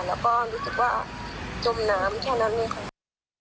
แล้วก็รู้สึกว่าจมน้ำแค่นั้น